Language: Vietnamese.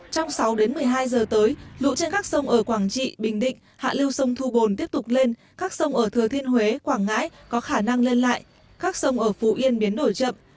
trong sáu đến một mươi hai giờ tới lũ trên các sông ở quảng trị bình định hạ lưu sông thu bồn tiếp tục lên các sông ở thừa thiên huế quảng ngãi có khả năng lên lại các sông ở phú yên biến đổi chậm